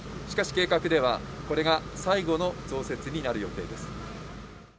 しかし、計画ではこれが最後の増設になる予定です。